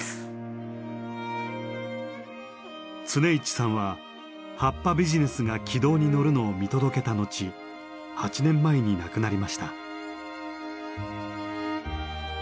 常一さんは葉っぱビジネスが軌道に乗るのを見届けた後８年前に亡くなりました。